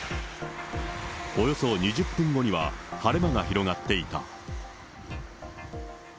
およそ２０分後には晴れ間が広がっていた。